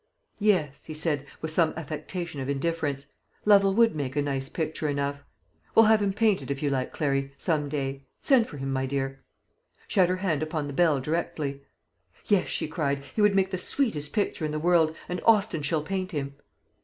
"Yes," he said, with some affectation of indifference; "Lovel would make a nice picture enough. We'll have him painted if you like, Clary, some day. Send for him, my dear." She had her hand upon the bell directly. "Yes," she cried, "he would make the sweetest picture in the world, and Austin shall paint him."